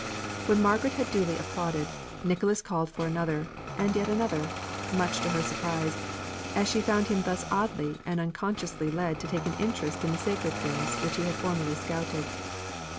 When Margaret had duly applauded, Nicholas called for another, and yet another, much to her surprise, as she found him thus oddly and unconsciously led to take an interest in the sacred things which he had formerly scouted.